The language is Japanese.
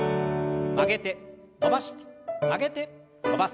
曲げて伸ばして曲げて伸ばす。